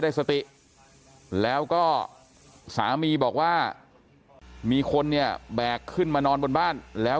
สติแล้วก็สามีบอกว่ามีคนเนี่ยแบกขึ้นมานอนบนบ้านแล้ว